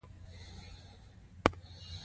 او څنګه چې ځان ښیو هغسې اوسو ډاډ ولرئ.